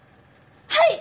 はい！